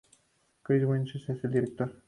Chris Wedge es el director.